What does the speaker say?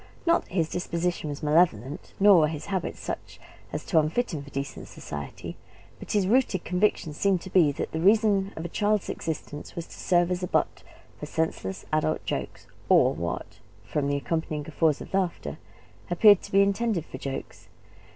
Not that his disposition was malevolent, nor were his habits such as to unfit him for decent society; but his rooted conviction seemed to be that the reason of a child's existence was to serve as a butt for senseless adult jokes, or what, from the accompanying guffaws of laughter, appeared to be intended for jokes.